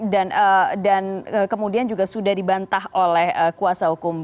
dan kemudian juga sudah dibantah oleh kuasa hukum